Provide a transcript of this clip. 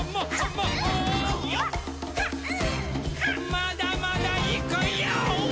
まだまだいくヨー！